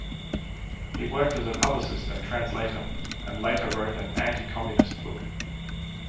He worked as a publicist and translator and later wrote an anti-communist book.